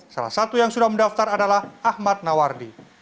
salah satu yang sudah mendaftar adalah ahmad nawardi